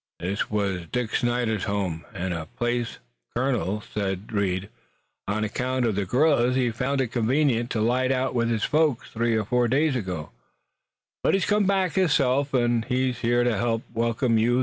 "This wuz Dick Snyder's home an' place, colonel," said Reed. "On account uv the gorillers he found it convenient to light out with his folks three or four days ago, but he's come back hisself, an' he's here to he'p welcome you.